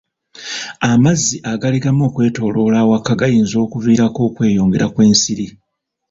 Amazzi agalegama okwetooloola awaka gayinza okuviirako okweyongera kw'ensiri.